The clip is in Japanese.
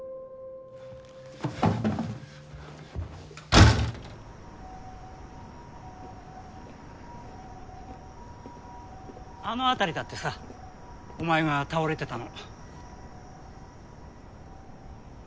バタンあの辺りだってさお前が倒れてたの。